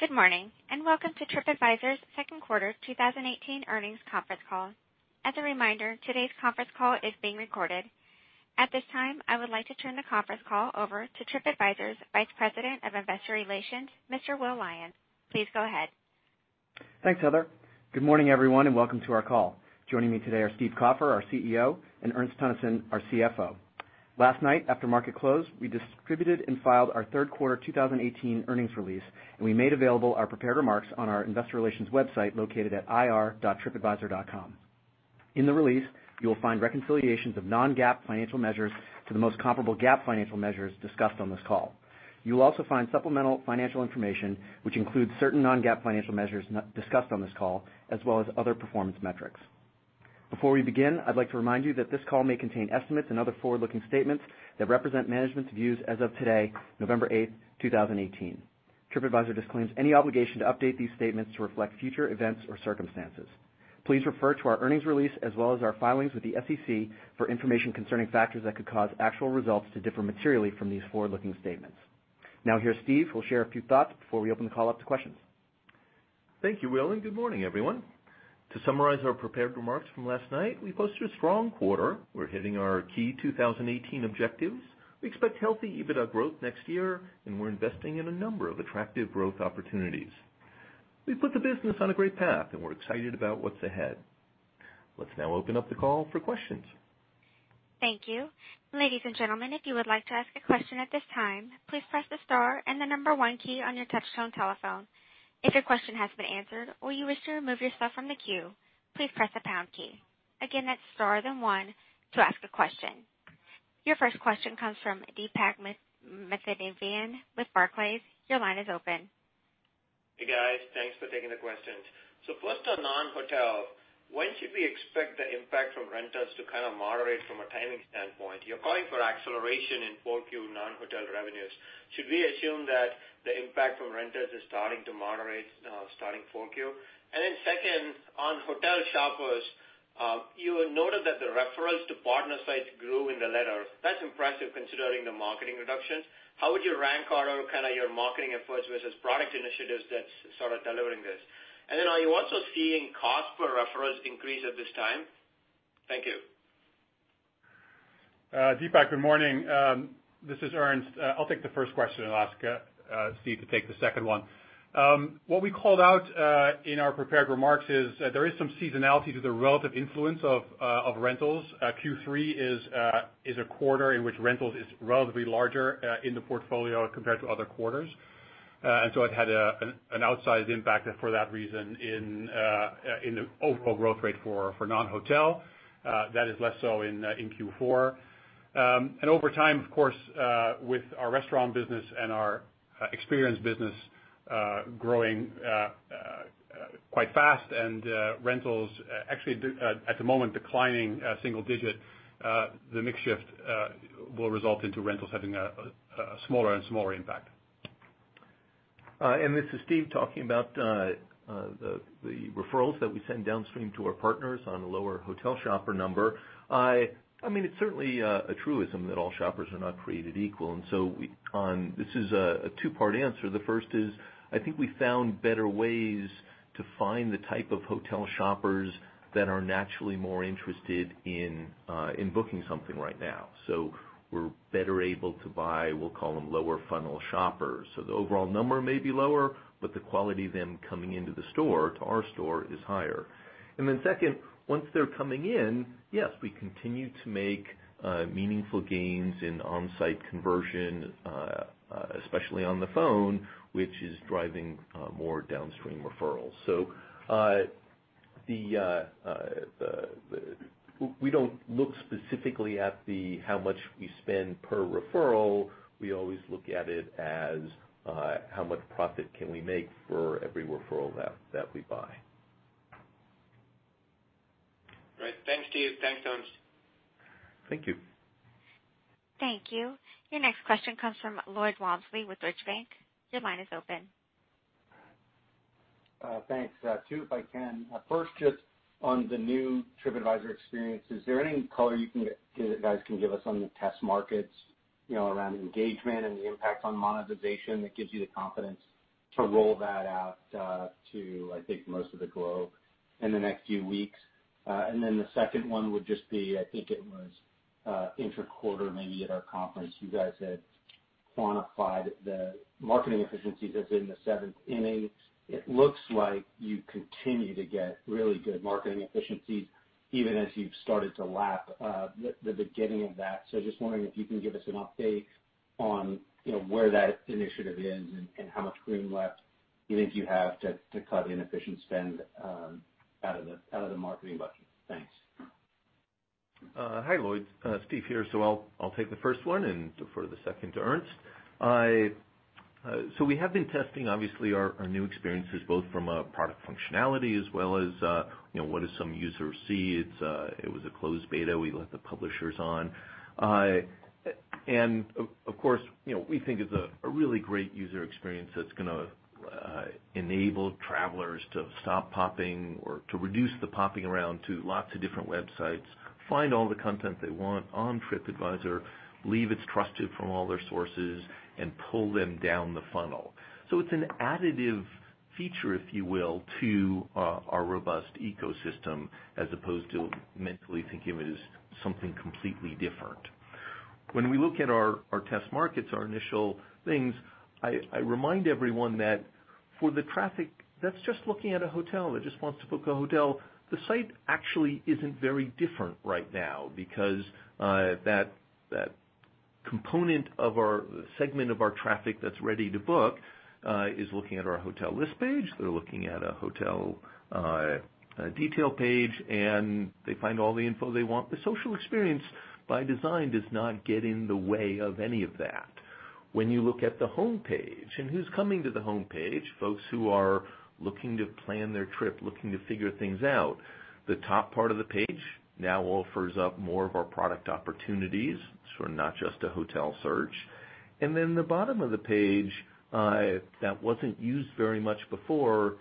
Good morning, welcome to TripAdvisor's second quarter 2018 earnings conference call. As a reminder, today's conference call is being recorded. At this time, I would like to turn the conference call over to TripAdvisor's Vice President of Investor Relations, Mr. Will Lyons. Please go ahead. Thanks, Heather. Good morning, everyone, welcome to our call. Joining me today are Steve Kaufer, our CEO, and Ernst Teunissen, our CFO. Last night, after market close, we distributed and filed our third quarter 2018 earnings release, we made available our prepared remarks on our investor relations website, located at ir.tripadvisor.com. In the release, you will find reconciliations of non-GAAP financial measures to the most comparable GAAP financial measures discussed on this call. You will also find supplemental financial information, which includes certain non-GAAP financial measures discussed on this call, as well as other performance metrics. Before we begin, I'd like to remind you that this call may contain estimates and other forward-looking statements that represent management's views as of today, November 8th, 2018. TripAdvisor disclaims any obligation to update these statements to reflect future events or circumstances. Please refer to our earnings release as well as our filings with the SEC for information concerning factors that could cause actual results to differ materially from these forward-looking statements. Here's Steve, who'll share a few thoughts before we open the call up to questions. Thank you, Will, good morning, everyone. To summarize our prepared remarks from last night, we posted a strong quarter. We're hitting our key 2018 objectives. We expect healthy EBITDA growth next year, we're investing in a number of attractive growth opportunities. We put the business on a great path, we're excited about what's ahead. Let's now open up the call for questions. Thank you. Ladies and gentlemen, if you would like to ask a question at this time, please press the star and the number 1 key on your touchtone telephone. If your question has been answered or you wish to remove yourself from the queue, please press the pound key. Again, that's star then 1 to ask a question. Your first question comes from Deepak Mathivanan with Barclays. Your line is open. Hey, guys. Thanks for taking the questions. First on non-hotel, when should we expect the impact from rentals to kind of moderate from a timing standpoint? You're calling for acceleration in 4Q non-hotel revenues. Should we assume that the impact from rentals is starting to moderate now starting 4Q? Second, on hotel shoppers, you had noted that the referrals to partner sites grew in the letter. That's impressive considering the marketing reductions. How would you rank all of your marketing efforts versus product initiatives that's sort of delivering this? Are you also seeing cost per referrals increase at this time? Thank you. Deepak, good morning. This is Ernst. I'll take the first question and I'll ask Steve to take the second one. What we called out in our prepared remarks is there is some seasonality to the relative influence of rentals. Q3 is a quarter in which rentals is relatively larger in the portfolio compared to other quarters. It had an outsized impact for that reason in the overall growth rate for non-hotel. That is less so in Q4. Over time, of course, with our Restaurant Solutions business and our experience business growing quite fast and rentals actually at the moment declining single digit, the mix shift will result into rentals having a smaller and smaller impact. This is Steve talking about the referrals that we send downstream to our partners on a lower hotel shopper number. It's certainly a truism that all shoppers are not created equal, this is a two-part answer. The first is, I think we found better ways to find the type of hotel shoppers that are naturally more interested in booking something right now. We're better able to buy, we'll call them lower funnel shoppers. The overall number may be lower, but the quality of them coming into the store, to our store, is higher. Second, once they're coming in, yes, we continue to make meaningful gains in on-site conversion, especially on the phone, which is driving more downstream referrals. We don't look specifically at how much we spend per referral. We always look at it as how much profit can we make for every referral that we buy. Great. Thanks, Steve. Thanks, Ernst. Thank you. Thank you. Your next question comes from Lloyd Walmsley with Deutsche Bank. Your line is open. Thanks. Two if I can. First, just on the new TripAdvisor experience, is there any color you guys can give us on the test markets around engagement and the impact on monetization that gives you the confidence to roll that out to, I think, most of the globe in the next few weeks? The second one would just be, I think it was intra-quarter, maybe at our conference, you guys had quantified the marketing efficiencies as in the seventh inning. It looks like you continue to get really good marketing efficiencies even as you've started to lap the beginning of that. Just wondering if you can give us an update on where that initiative is and how much room left you think you have to cut inefficient spend out of the marketing budget. Thanks. Hi, Lloyd. Steve here. I'll take the first one and defer the second to Ernst. We have been testing, obviously, our new experiences, both from a product functionality as well as what do some users see. It was a closed beta we let the publishers on. We think it's a really great user experience that's going to Enable travelers to stop popping or to reduce the popping around to lots of different websites, find all the content they want on TripAdvisor, believe it's trusted from all their sources, and pull them down the funnel. It's an additive feature, if you will, to our robust ecosystem as opposed to mentally thinking of it as something completely different. When we look at our test markets, our initial things, I remind everyone that for the traffic that's just looking at a hotel, that just wants to book a hotel, the site actually isn't very different right now because that component of our segment of our traffic that's ready to book is looking at our hotel list page. They're looking at a hotel detail page, and they find all the info they want. The social experience by design does not get in the way of any of that. When you look at the homepage and who's coming to the homepage, folks who are looking to plan their trip, looking to figure things out, the top part of the page now offers up more of our product opportunities. Not just a hotel search. The bottom of the page, that wasn't used very much before,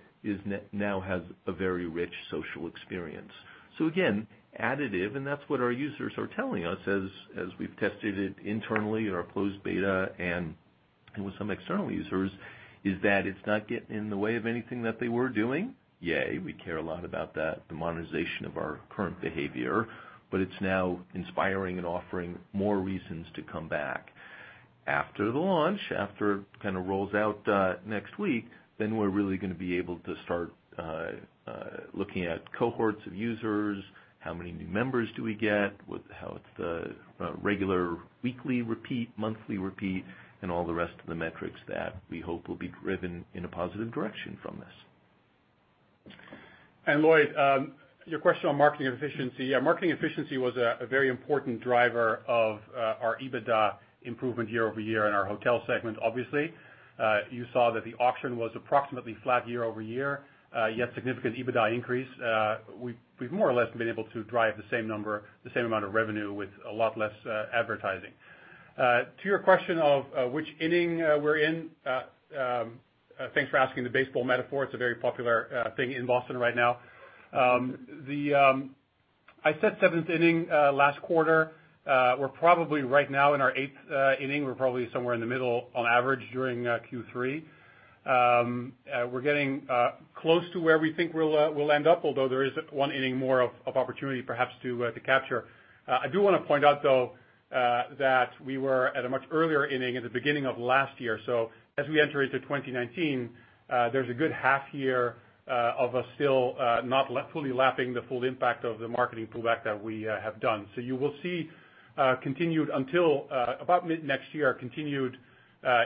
now has a very rich social experience. Again, additive, and that's what our users are telling us as we've tested it internally in our closed beta and with some external users, is that it's not getting in the way of anything that they were doing. Yay, we care a lot about that, the monetization of our current behavior. It's now inspiring and offering more reasons to come back. After the launch, after it rolls out next week, We're really going to be able to start looking at cohorts of users. How many new members do we get? How it's the regular weekly repeat, monthly repeat, and all the rest of the metrics that we hope will be driven in a positive direction from this. Lloyd, your question on marketing efficiency. Marketing efficiency was a very important driver of our EBITDA improvement year-over-year in our hotel segment, obviously. You saw that the auction was approximately flat year-over-year, yet significant EBITDA increase. We've more or less been able to drive the same number, the same amount of revenue with a lot less advertising. To your question of which inning we're in, thanks for asking the baseball metaphor. It's a very popular thing in Boston right now. I said seventh inning last quarter. We're probably right now in our eighth inning. We're probably somewhere in the middle on average during Q3. We're getting close to where we think we'll end up, although there is one inning more of opportunity perhaps to capture. I do want to point out, though, that we were at a much earlier inning at the beginning of last year. As we enter into 2019, there's a good half year of us still not fully lapping the full impact of the marketing pullback that we have done. You will see continued until about mid-next year, continued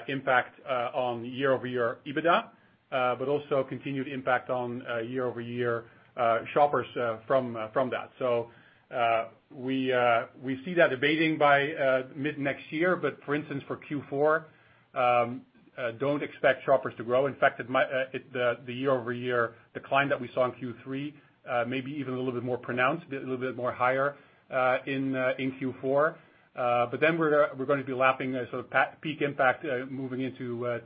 impact on year-over-year EBITDA, but also continued impact on year-over-year shoppers from that. We see that abating by mid-next year, but for instance, for Q4, don't expect shoppers to grow. In fact, the year-over-year decline that we saw in Q3, maybe even a little bit more pronounced, a little bit more higher in Q4. We're going to be lapping the sort of peak impact moving into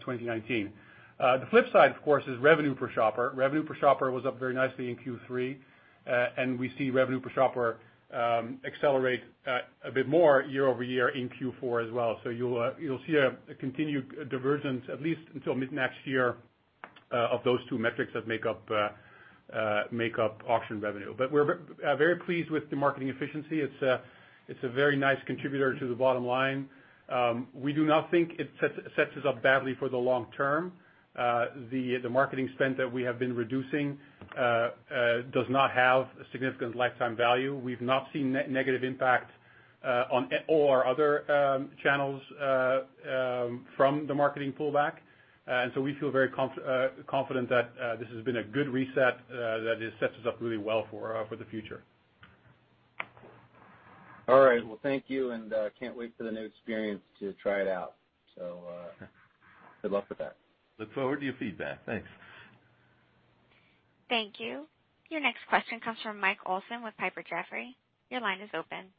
2019. The flip side, of course, is revenue per shopper. Revenue per shopper was up very nicely in Q3. We see revenue per shopper accelerate a bit more year-over-year in Q4 as well. You'll see a continued divergence, at least until mid-next year, of those two metrics that make up auction revenue. We're very pleased with the marketing efficiency. It's a very nice contributor to the bottom line. We do not think it sets us up badly for the long term. The marketing spend that we have been reducing does not have a significant lifetime value. We've not seen negative impact on all our other channels from the marketing pullback. We feel very confident that this has been a good reset that sets us up really well for the future. Well, thank you, can't wait for the new experience to try it out. Good luck with that. Look forward to your feedback. Thanks. Thank you. Your next question comes from Mike Olson with Piper Jaffray. Your line is open.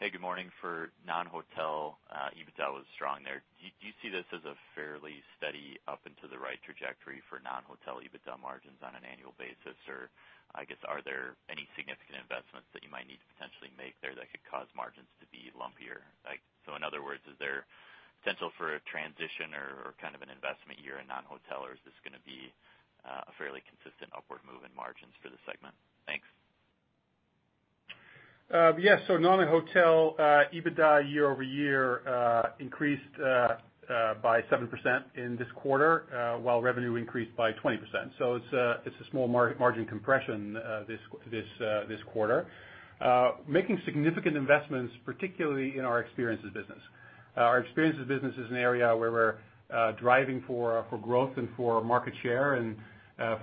Hey, good morning. For non-hotel, EBITDA was strong there. Do you see this as a fairly steady up into the right trajectory for non-hotel EBITDA margins on an annual basis? I guess, are there any significant investments that you might need to potentially make there that could cause margins to be lumpier? In other words, is there potential for a transition or kind of an investment year in non-hotel, or is this going to be a fairly consistent upward move in margins for this segment? Thanks. Yes. non-hotel EBITDA year-over-year increased by 7% in this quarter, while revenue increased by 20%. It's a small margin compression this quarter. Making significant investments, particularly in our experiences business. Our experiences business is an area where we're driving for growth and for market share and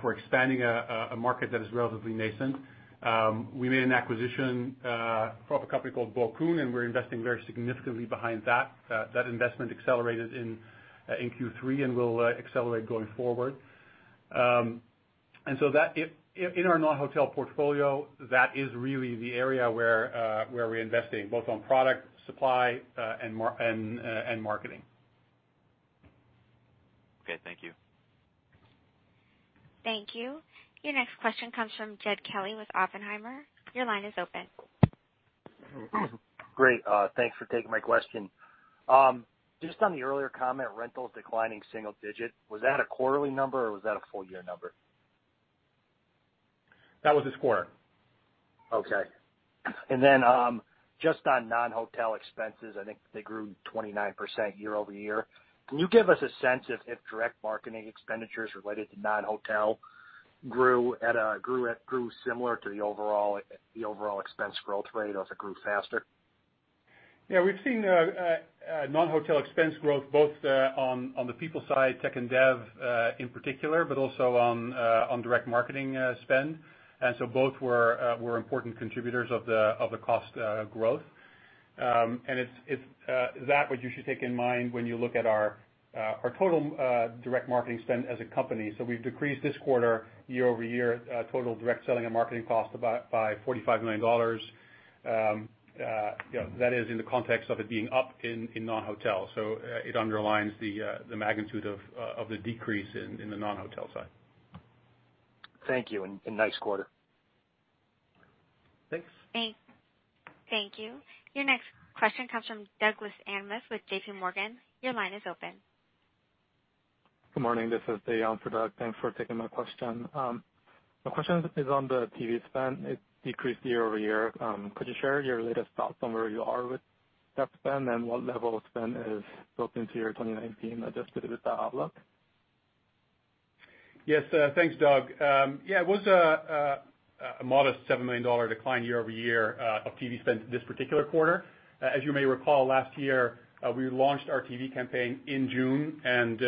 for expanding a market that is relatively nascent. We made an acquisition of a company called Bokun, and we're investing very significantly behind that. That investment accelerated in Q3 and will accelerate going forward. In our non-hotel portfolio, that is really the area where we're investing, both on product supply and marketing. Okay, thank you. Thank you. Your next question comes from Jed Kelly with Oppenheimer. Your line is open. Great. Thanks for taking my question. Just on the earlier comment, rentals declining single-digit, was that a quarterly number or was that a full year number? That was this quarter. Okay. Just on non-Hotel expenses, I think they grew 29% year-over-year. Can you give us a sense if direct marketing expenditures related to non-Hotel grew similar to the overall expense growth rate, or if it grew faster? Yeah. We've seen non-Hotel expense growth both on the people side, tech and dev in particular, but also on direct marketing spend. Both were important contributors of the cost growth. It's that what you should take in mind when you look at our total direct marketing spend as a company. We've decreased this quarter, year-over-year, total direct selling and marketing cost by $45 million. That is in the context of it being up in non-Hotel. It underlines the magnitude of the decrease in the non-Hotel side. Thank you, and nice quarter. Thanks. Thank you. Your next question comes from Douglas Anmuth with JPMorgan. Your line is open. Good morning. This is Dae Lee. Thanks for taking my question. My question is on the TV spend. It decreased year-over-year. Could you share your latest thoughts on where you are with that spend, and what level of spend is built into your 2019 adjusted EBITDA outlook? Yes. Thanks, Doug. Yeah, it was a modest $7 million decline year-over-year of TV spend this particular quarter. As you may recall, last year, we launched our TV campaign in June, and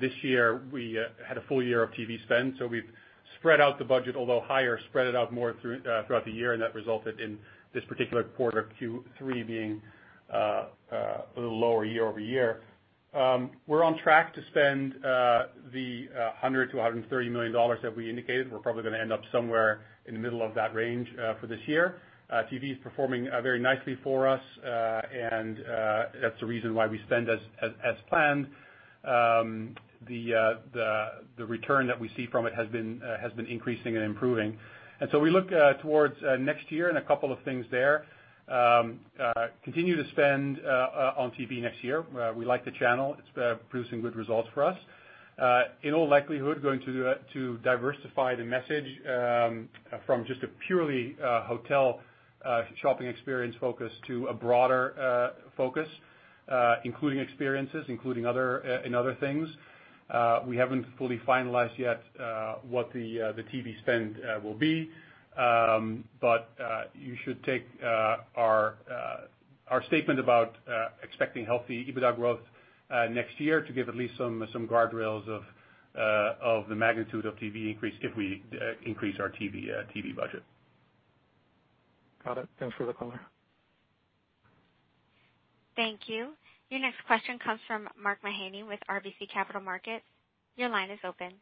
this year we had a full year of TV spend. We've spread out the budget, although higher, spread it out more throughout the year, and that resulted in this particular quarter, Q3, being a little lower year-over-year. We're on track to spend the $100 to $130 million that we indicated. We're probably gonna end up somewhere in the middle of that range for this year. TV is performing very nicely for us, and that's the reason why we spend as planned. The return that we see from it has been increasing and improving. We look towards next year and a couple of things there. Continue to spend on TV next year. We like the channel. It's producing good results for us. In all likelihood, going to diversify the message from just a purely hotel shopping experience focus to a broader focus including experiences, including in other things. We haven't fully finalized yet what the TV spend will be. You should take our statement about expecting healthy EBITDA growth next year to give at least some guardrails of the magnitude of TV increase if we increase our TV budget. Got it. Thanks for the color. Thank you. Your next question comes from Mark Mahaney with RBC Capital Markets. Your line is open.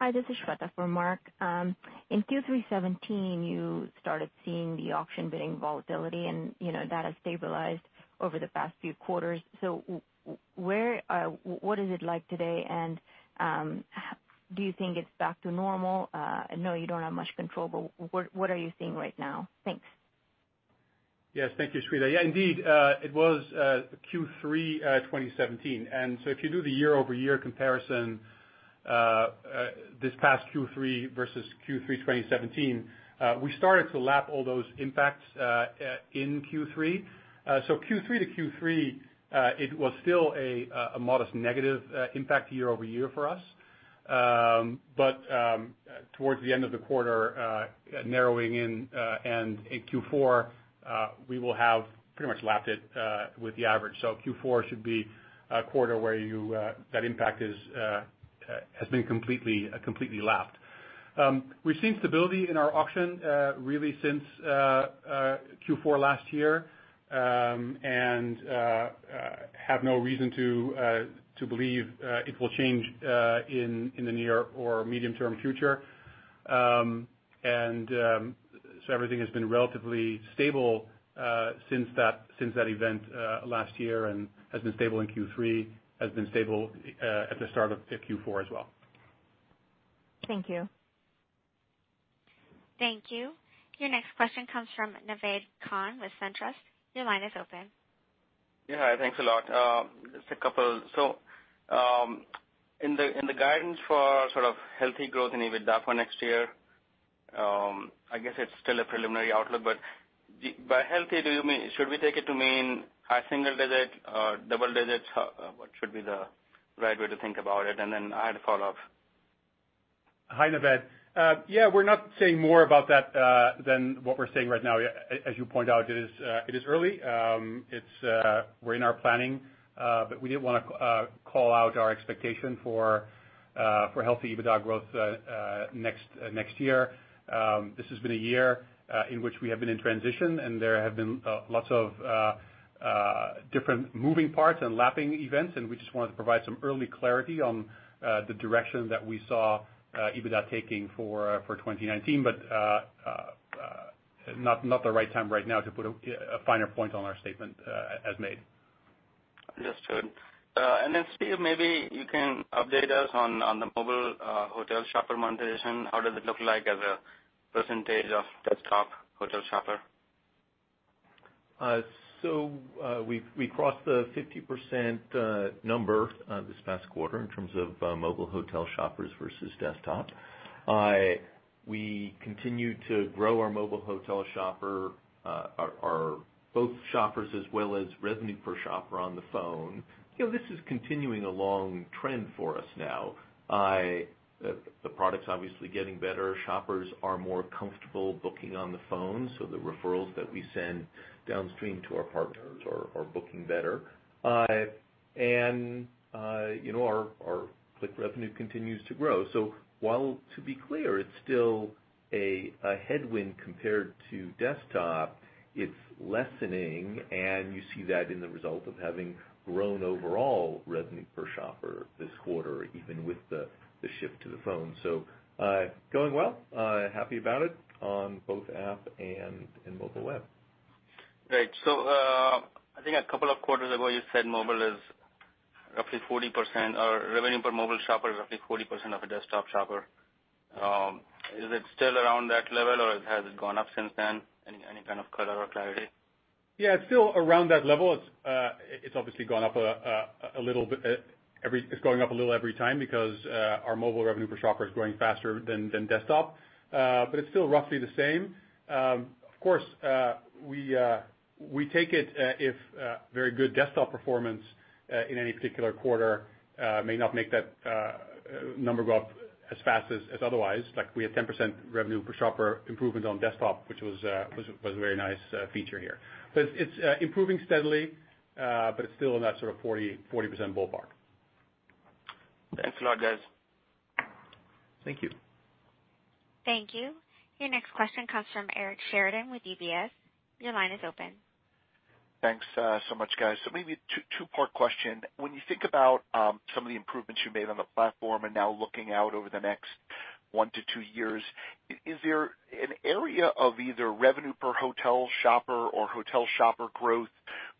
Hi, this is Shweta for Mark. In Q3 2017, you started seeing the auction bidding volatility, and that has stabilized over the past few quarters. What is it like today, and do you think it's back to normal? I know you don't have much control, but what are you seeing right now? Thanks. Yes, thank you, Shweta. Yeah, indeed, it was Q3 2017. If you do the year-over-year comparison this past Q3 versus Q3 2017, we started to lap all those impacts in Q3. Q3 to Q3, it was still a modest negative impact year-over-year for us. Towards the end of the quarter, narrowing in. In Q4, we will have pretty much lapped it with the average. Q4 should be a quarter where that impact has been completely lapped. We've seen stability in our auction really since Q4 last year, and have no reason to believe it will change in the near or medium term future. Everything has been relatively stable since that event last year and has been stable in Q3, has been stable at the start of Q4 as well. Thank you. Thank you. Your next question comes from Naved Khan with SunTrust. Your line is open. Yeah. Thanks a lot. Just a couple. In the guidance for sort of healthy growth in EBITDA for next year, I guess it's still a preliminary outlook, but by healthy, should we take it to mean high single digit or double digits? What should be the right way to think about it? Then I had a follow-up. Hi, Naved. Yeah, we're not saying more about that than what we're saying right now. As you point out, it is early. We're in our planning. We did want to call out our expectation for healthy EBITDA growth next year. This has been a year in which we have been in transition, and there have been lots of different moving parts and lapping events, and we just wanted to provide some early clarity on the direction that we saw EBITDA taking for 2019. Not the right time right now to put a finer point on our statement as made. Understood. Steve, maybe you can update us on the mobile hotel shopper monetization. How does it look like as a percentage of desktop hotel shopper? We crossed the 50% number this past quarter in terms of mobile hotel shoppers versus desktop. We continue to grow our mobile hotel shopper, our both shoppers as well as revenue per shopper on the phone. This is continuing a long trend for us now. The product's obviously getting better. Shoppers are more comfortable booking on the phone, so the referrals that we send downstream to our partners are booking better. Our click revenue continues to grow. While to be clear, it's still a headwind compared to desktop, it's lessening, and you see that in the result of having grown overall revenue per shopper this quarter, even with the shift to the phone. Going well. Happy about it, on both app and in mobile web. Right. I think a couple of quarters ago, you said mobile is roughly 40%, or revenue per mobile shopper is roughly 40% of a desktop shopper. Is it still around that level, or has it gone up since then? Any kind of color or clarity? Yeah, it's still around that level. It's going up a little every time because our mobile revenue per shopper is growing faster than desktop. It's still roughly the same. Of course, we take it if very good desktop performance in any particular quarter may not make that number go up as fast as otherwise. We had 10% revenue per shopper improvement on desktop, which was a very nice feature here. It's improving steadily, but it's still in that sort of 40% ballpark. Thanks a lot, guys. Thank you. Thank you. Your next question comes from Eric Sheridan with UBS. Your line is open. Thanks so much, guys. Maybe a two-part question. When you think about some of the improvements you made on the platform and now looking out over the next one to two years, is there an area of either revenue per hotel shopper or hotel shopper growth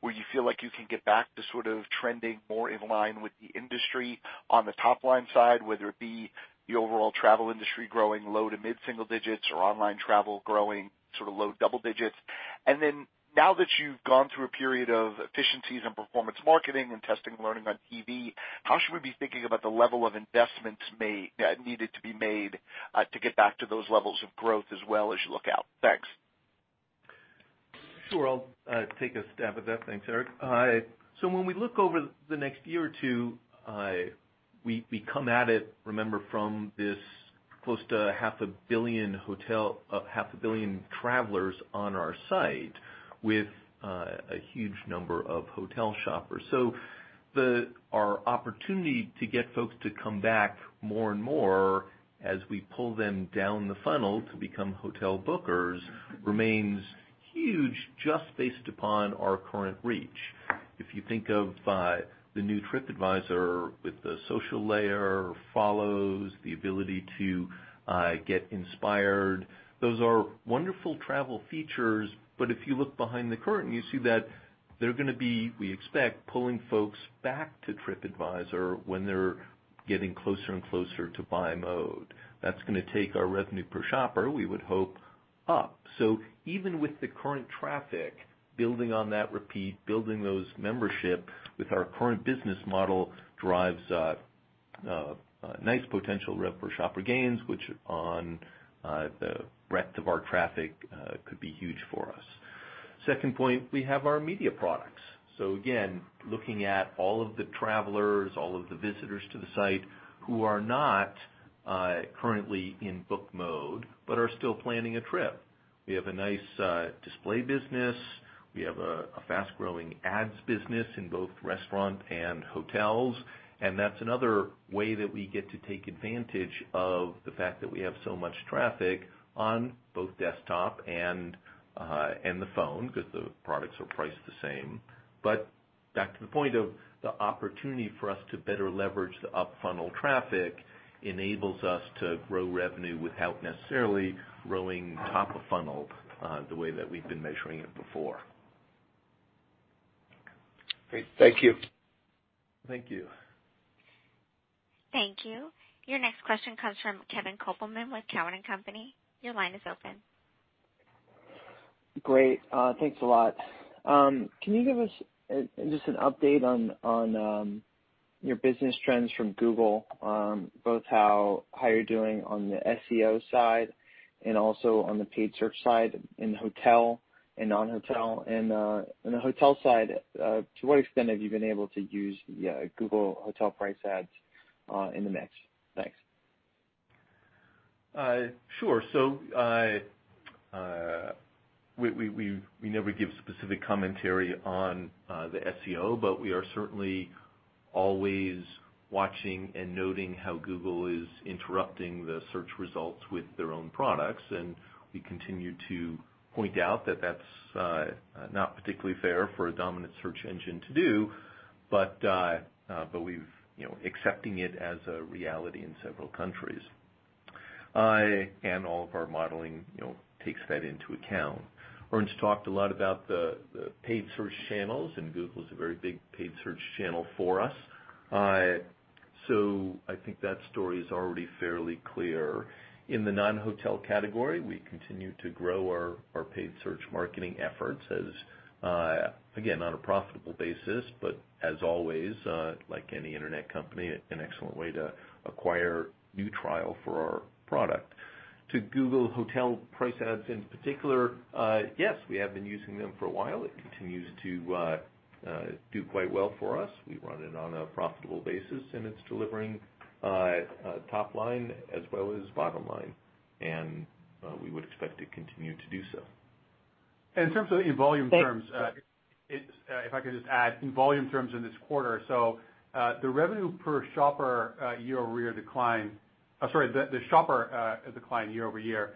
where you feel like you can get back to sort of trending more in line with the industry on the top-line side, whether it be the overall travel industry growing low to mid-single digits or online travel growing low double digits? Now that you've gone through a period of efficiencies and performance marketing and testing and learning on TV, how should we be thinking about the level of investments needed to be made to get back to those levels of growth as well as you look out? Thanks. Sure. I'll take a stab at that. Thanks, Eric. When we look over the next year or two, we come at it, remember, from this close to half a billion travelers on our site with a huge number of hotel shoppers. Our opportunity to get folks to come back more and more as we pull them down the funnel to become hotel bookers remains huge just based upon our current reach. If you think of the new TripAdvisor with the social layer, follows, the ability to get inspired, those are wonderful travel features, but if you look behind the curtain, you see that they're going to be, we expect, pulling folks back to TripAdvisor when they're getting closer and closer to buy mode. That's going to take our revenue per shopper, we would hope, up. Even with the current traffic, building on that repeat, building those membership with our current business model drives nice potential rev per shopper gains, which on the breadth of our traffic could be huge for us. Second point, we have our media products. Again, looking at all of the travelers, all of the visitors to the site who are not currently in book mode, but are still planning a trip. We have a nice display business. We have a fast-growing ads business in both restaurant and hotels, and that's another way that we get to take advantage of the fact that we have so much traffic on both desktop and the phone, because the products are priced the same. Back to the point of the opportunity for us to better leverage the up funnel traffic enables us to grow revenue without necessarily growing top of funnel the way that we've been measuring it before. Great. Thank you. Thank you. Thank you. Your next question comes from Kevin Kopelman with Cowen and Company. Your line is open. Great. Thanks a lot. Can you give us just an update on your business trends from Google, both how you're doing on the SEO side and also on the paid search side in hotel and non-hotel? On the hotel side, to what extent have you been able to use Google Hotel Ads in the mix? Thanks. Sure. We never give specific commentary on the SEO, but we are certainly always watching and noting how Google is interrupting the search results with their own products, and we continue to point out that that's not particularly fair for a dominant search engine to do. We believe accepting it as a reality in several countries. All of our modeling takes that into account. Ernst talked a lot about the paid search channels, and Google is a very big paid search channel for us. I think that story is already fairly clear. In the non-hotel category, we continue to grow our paid search marketing efforts as, again, on a profitable basis, but as always, like any internet company, an excellent way to acquire new trial for our product. To Google Hotel Ads in particular, yes, we have been using them for a while. It continues to do quite well for us. We run it on a profitable basis, it's delivering top line as well as bottom line, we would expect to continue to do so. In terms of volume terms, if I could just add, in volume terms in this quarter. The shopper decline year-over-year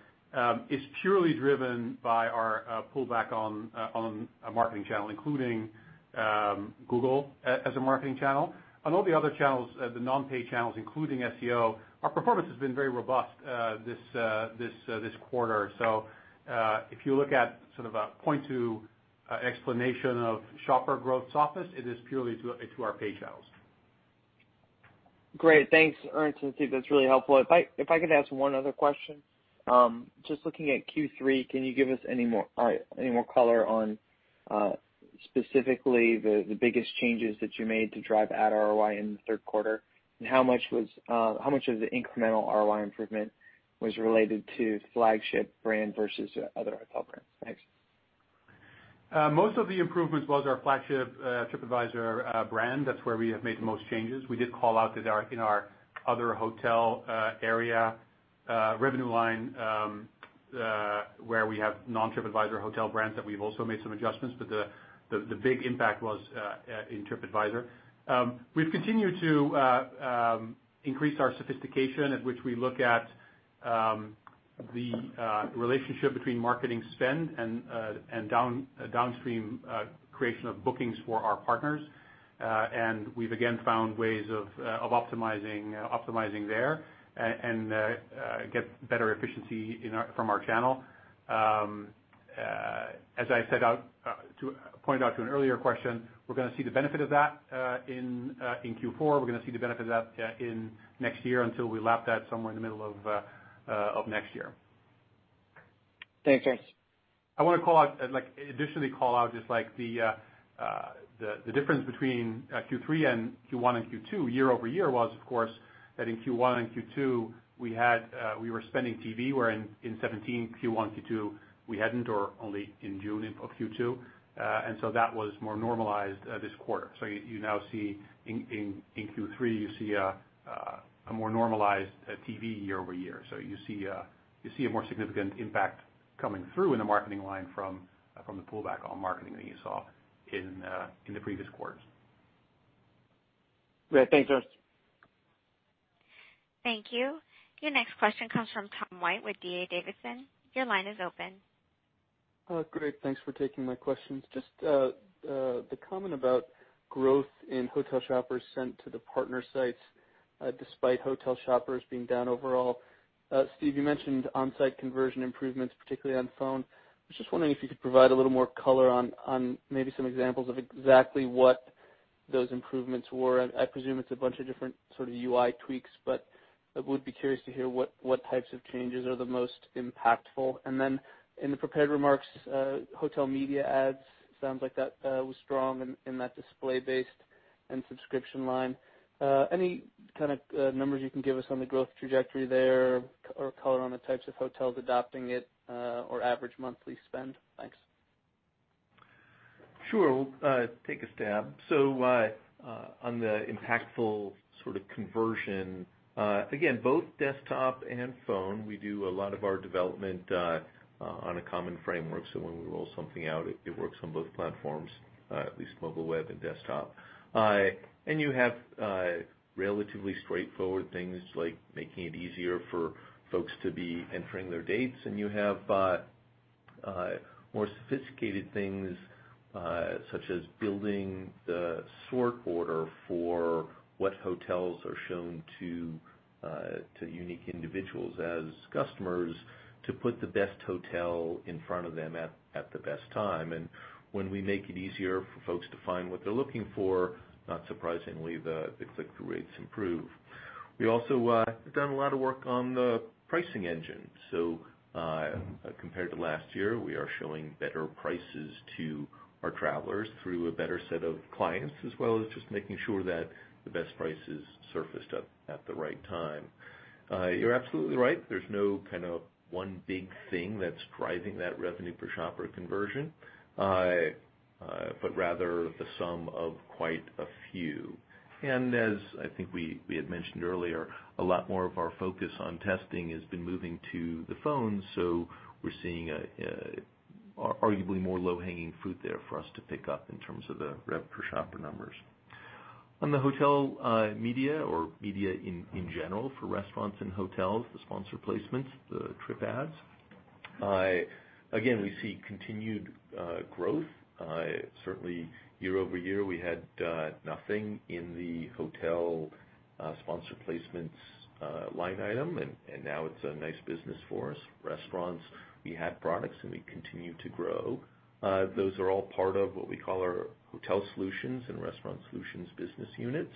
is purely driven by our pullback on a marketing channel, including Google as a marketing channel. On all the other channels, the non-paid channels, including SEO, our performance has been very robust this quarter. If you look at a point to explanation of shopper growth softness, it is purely to our paid channels. Great. Thanks, Ernst and Steve. That's really helpful. If I could ask one other question. Just looking at Q3, can you give us any more color on specifically the biggest changes that you made to drive ad ROI in the third quarter? How much of the incremental ROI improvement was related to flagship brand versus other hotel brands? Thanks. Most of the improvements was our flagship TripAdvisor brand. That's where we have made the most changes. We did call out in our other hotel area revenue line, where we have non-TripAdvisor hotel brands that we've also made some adjustments, the big impact was in TripAdvisor. We've continued to increase our sophistication at which we look at the relationship between marketing spend and downstream creation of bookings for our partners. We've again found ways of optimizing there and get better efficiency from our channel. As I pointed out to an earlier question, we're going to see the benefit of that in Q4. We're going to see the benefit of that in next year until we lap that somewhere in the middle of next year. Thanks, Ernst. I want to additionally call out the difference between Q3 and Q1 and Q2 year-over-year was, of course, that in Q1 and Q2, we were spending TV, where in 2017, Q1, Q2, we hadn't or only in June of Q2. That was more normalized this quarter. You now see in Q3, you see a more normalized TV year-over-year. You see a more significant impact coming through in the marketing line from the pullback on marketing that you saw in the previous quarters. Great. Thanks, Ernst. Thank you. Your next question comes from Tom White with D.A. Davidson. Your line is open. Great. Thanks for taking my questions. Just the comment about growth in hotel shoppers sent to the partner sites despite hotel shoppers being down overall. Steve, you mentioned on-site conversion improvements, particularly on phone. I was just wondering if you could provide a little more color on maybe some examples of exactly what those improvements were. I presume it's a bunch of different UI tweaks, but I would be curious to hear what types of changes are the most impactful. In the prepared remarks, hotel media ads, sounds like that was strong in that display based and subscription line. Any kind of numbers you can give us on the growth trajectory there or color on the types of hotels adopting it or average monthly spend? Thanks. Sure. I'll take a stab. On the impactful conversion, again, both desktop and phone, we do a lot of our development on a common framework, so when we roll something out, it works on both platforms, at least mobile web and desktop. You have relatively straightforward things like making it easier for folks to be entering their dates, and you have more sophisticated things, such as building the sort order for what hotels are shown to unique individuals as customers to put the best hotel in front of them at the best time. When we make it easier for folks to find what they're looking for, not surprisingly, the click-through rates improve. We also have done a lot of work on the pricing engine. Compared to last year, we are showing better prices to our travelers through a better set of clients, as well as just making sure that the best price is surfaced up at the right time. You're absolutely right. There's no one big thing that's driving that revenue per shopper conversion, but rather the sum of quite a few. As I think we had mentioned earlier, a lot more of our focus on testing has been moving to the phone, so we're seeing arguably more low-hanging fruit there for us to pick up in terms of the rev per shopper numbers. On the hotel media or media in general for restaurants and hotels, the Sponsored Placements. Again, we see continued growth. Certainly year-over-year, we had nothing in the hotel sponsor placements line item, and now it's a nice business for us. Restaurants, we have products, and we continue to grow. Those are all part of what we call our Hotel Solutions and Restaurant Solutions business units,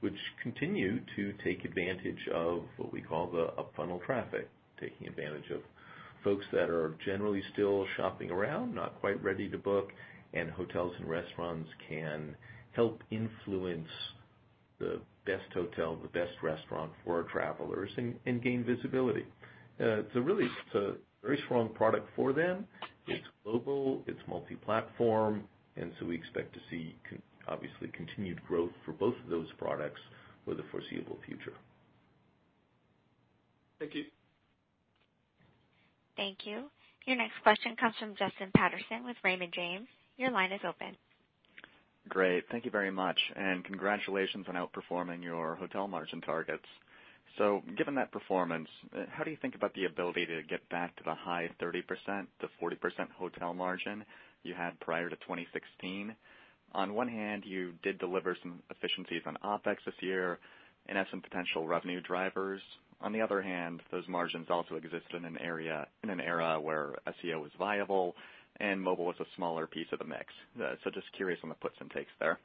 which continue to take advantage of what we call the up-funnel traffic. Taking advantage of folks that are generally still shopping around, not quite ready to book, and hotels and restaurants can help influence the best hotel, the best restaurant for our travelers and gain visibility. Really, it's a very strong product for them. It's global, it's multi-platform, we expect to see, obviously, continued growth for both of those products for the foreseeable future. Thank you. Thank you. Your next question comes from Justin Patterson with Raymond James. Your line is open. Great. Thank you very much. Congratulations on outperforming your hotel margin targets. Given that performance, how do you think about the ability to get back to the high 30%-40% hotel margin you had prior to 2016? On one hand, you did deliver some efficiencies on OpEx this year and have some potential revenue drivers. On the other hand, those margins also exist in an era where SEO was viable and mobile was a smaller piece of the mix. Just curious on the puts and takes there.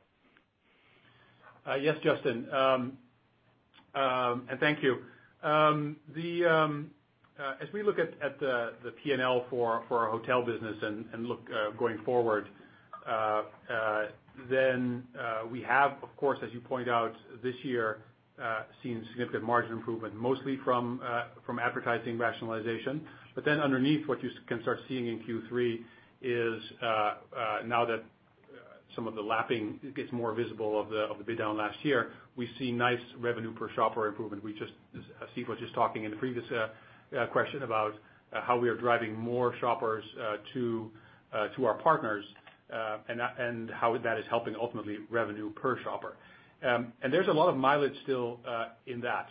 Yes, Justin, thank you. As we look at the P&L for our hotel business and look going forward, we have, of course, as you point out, this year, seen significant margin improvement, mostly from advertising rationalization. Underneath, what you can start seeing in Q3 is now that some of the lapping gets more visible of the bid down last year, we see nice revenue per shopper improvement. Steve was just talking in the previous question about how we are driving more shoppers to our partners, and how that is helping ultimately revenue per shopper. There's a lot of mileage still in that.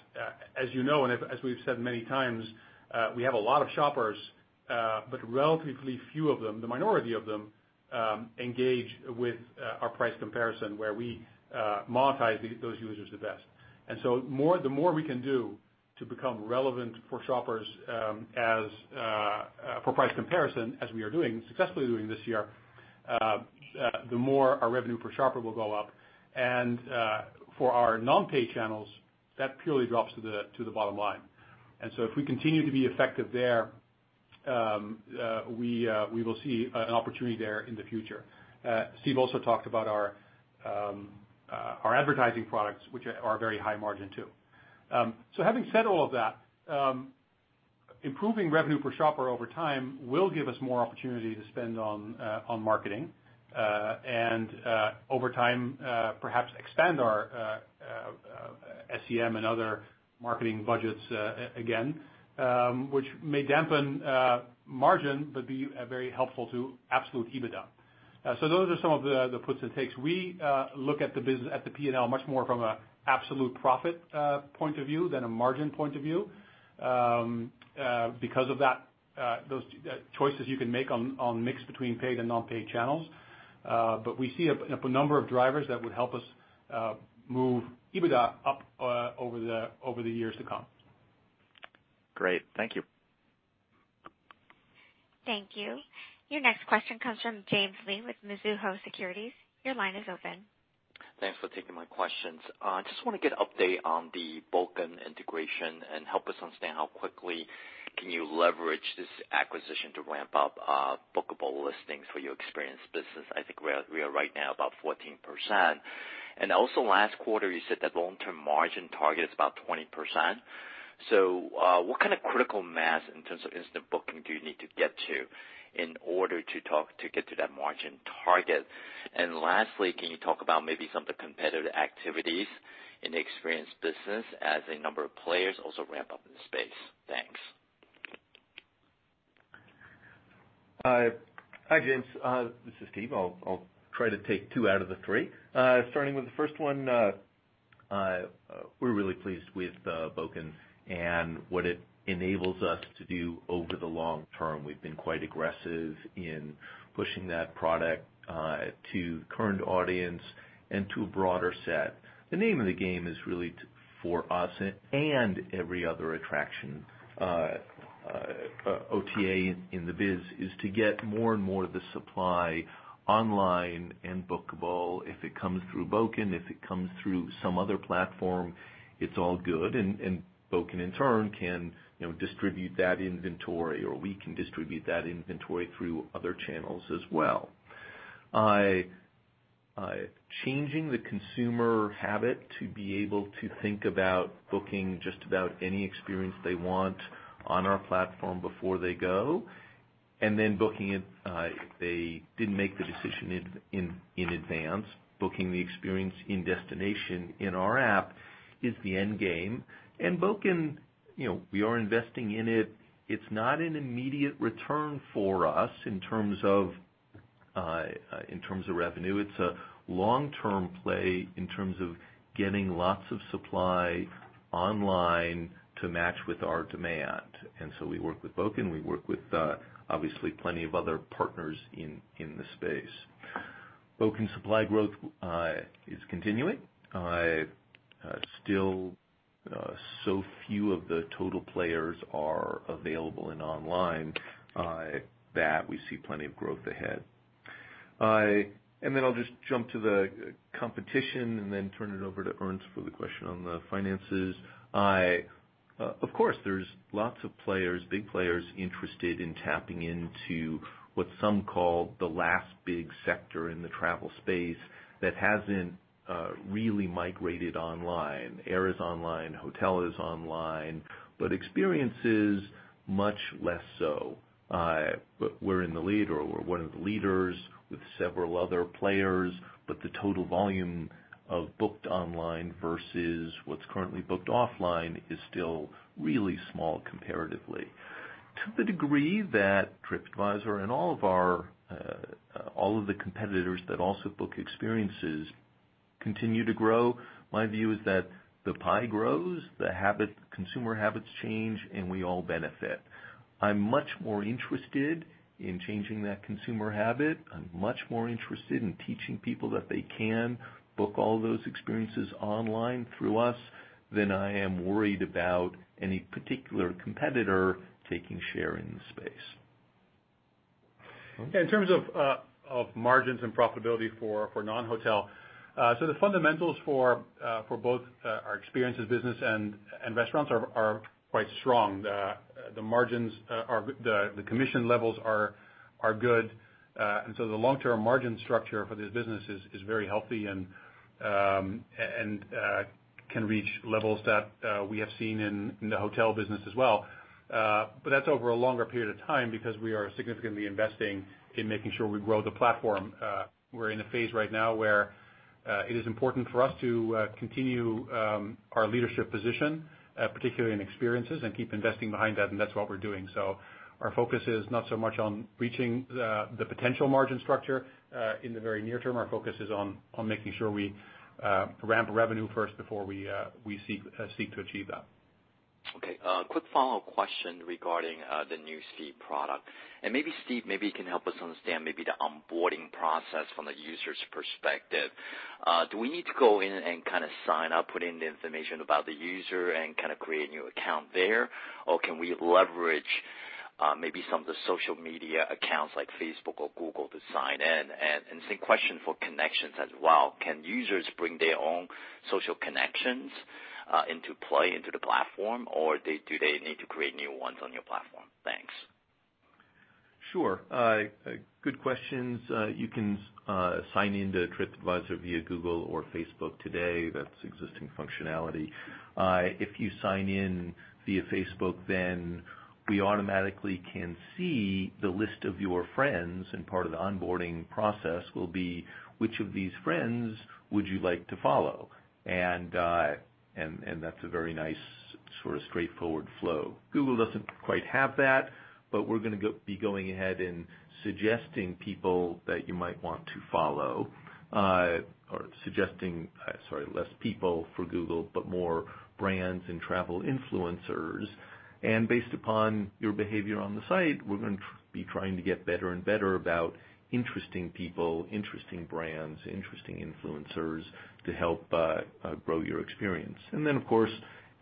As you know and as we've said many times, we have a lot of shoppers, but relatively few of them, the minority of them, engage with our price comparison, where we monetize those users the best. The more we can do to become relevant for shoppers for price comparison, as we are successfully doing this year, the more our revenue per shopper will go up. For our non-paid channels, that purely drops to the bottom line. If we continue to be effective there, we will see an opportunity there in the future. Steve also talked about our advertising products, which are very high margin too. Having said all of that, improving revenue per shopper over time will give us more opportunity to spend on marketing, and over time, perhaps expand our SEM and other marketing budgets again which may dampen margin but be very helpful to absolute EBITDA. Those are some of the puts and takes. We look at the P&L much more from an absolute profit point of view than a margin point of view because of those choices you can make on mix between paid and non-paid channels. We see a number of drivers that would help us move EBITDA up over the years to come. Great. Thank you. Thank you. Your next question comes from James Lee with Mizuho Securities. Your line is open. Thanks for taking my questions. I just want to get an update on the Bokun integration and help us understand how quickly can you leverage this acquisition to ramp up bookable listings for your experience business. I think we are right now about 14%. Last quarter, you said that long-term margin target is about 20%. What kind of critical mass in terms of instant booking do you need to get to in order to get to that margin target? Lastly, can you talk about maybe some of the competitive activities in the experience business as a number of players also ramp up in the space? Thanks. Hi, James. This is Steve. I'll try to take two out of the three. Starting with the first one, we're really pleased with Bokun and what it enables us to do over the long term. We've been quite aggressive in pushing that product to current audience and to a broader set. The name of the game is really for us and every other attraction OTA in the biz, is to get more and more of the supply online and bookable. If it comes through Bokun, if it comes through some other platform, it's all good, and Bokun in turn can distribute that inventory, or we can distribute that inventory through other channels as well. Changing the consumer habit to be able to think about booking just about any experience they want on our platform before they go, and then booking it if they didn't make the decision in advance, booking the experience in destination in our app is the end game. Bokun, we are investing in it. It's not an immediate return for us in terms of revenue, it's a long-term play in terms of getting lots of supply online to match with our demand. We work with Bokun, we work with obviously plenty of other partners in the space. Bokun supply growth is continuing. Still so few of the total players are available and online that we see plenty of growth ahead. I'll just jump to the competition and then turn it over to Ernst for the question on the finances. Of course, there's lots of players, big players, interested in tapping into what some call the last big sector in the travel space that hasn't really migrated online. Air is online, hotel is online, but experiences much less so. We're in the lead, or we're one of the leaders with several other players, but the total volume of booked online versus what's currently booked offline is still really small comparatively. To the degree that TripAdvisor and all of the competitors that also book experiences continue to grow, my view is that the pie grows, the consumer habits change, and we all benefit. I'm much more interested in changing that consumer habit. I'm much more interested in teaching people that they can book all those experiences online through us than I am worried about any particular competitor taking share in the space. In terms of margins and profitability for non-hotel. The fundamentals for both our experiences business and restaurants are quite strong. The commission levels are good. The long-term margin structure for this business is very healthy and can reach levels that we have seen in the hotel business as well. That's over a longer period of time because we are significantly investing in making sure we grow the platform. We're in a phase right now where it is important for us to continue our leadership position, particularly in experiences, and keep investing behind that, and that's what we're doing. Our focus is not so much on reaching the potential margin structure in the very near term. Our focus is on making sure we ramp revenue first before we seek to achieve that. Okay. A quick follow-up question regarding the news feed product. Maybe Steve, maybe you can help us understand maybe the onboarding process from the user's perspective. Do we need to go in and kind of sign up, put in the information about the user, and kind of create a new account there? Or can we leverage maybe some of the social media accounts like Facebook or Google to sign in? Same question for connections as well. Can users bring their own social connections into play into the platform, or do they need to create new ones on your platform? Thanks. Sure. Good questions. You can sign into TripAdvisor via Google or Facebook today. That's existing functionality. If you sign in via Facebook, we automatically can see the list of your friends, and part of the onboarding process will be which of these friends would you like to follow? That's a very nice sort of straightforward flow. Google doesn't quite have that, we're going to be going ahead and suggesting people that you might want to follow. Suggesting, sorry, less people for Google, but more brands and travel influencers. Based upon your behavior on the site, we're going to be trying to get better and better about interesting people, interesting brands, interesting influencers to help grow your experience. Of course,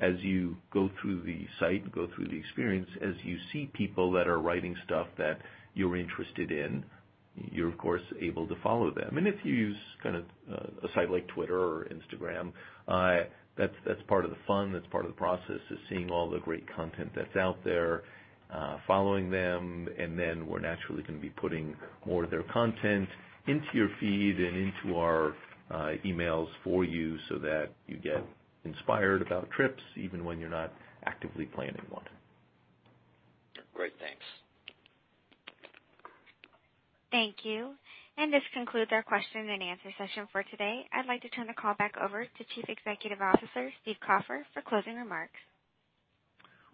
as you go through the site, go through the experience, as you see people that are writing stuff that you're interested in, you're of course able to follow them. If you use a site like Twitter or Instagram, that's part of the fun, that's part of the process, is seeing all the great content that's out there, following them, and then we're naturally going to be putting more of their content into your feed and into our emails for you so that you get inspired about trips even when you're not actively planning one. Great. Thanks. Thank you. This concludes our question and answer session for today. I'd like to turn the call back over to Chief Executive Officer, Steve Kaufer, for closing remarks.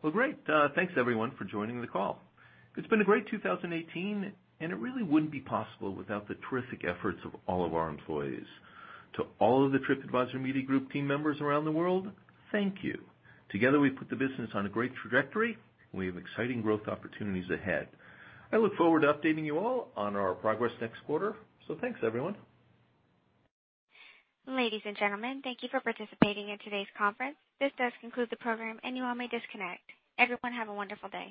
Well, great. Thanks everyone for joining the call. It's been a great 2018, it really wouldn't be possible without the terrific efforts of all of our employees. To all of the TripAdvisor Media Group team members around the world, thank you. Together, we've put the business on a great trajectory, we have exciting growth opportunities ahead. I look forward to updating you all on our progress next quarter, thanks everyone. Ladies and gentlemen, thank you for participating in today's conference. This does conclude the program, you all may disconnect. Everyone have a wonderful day.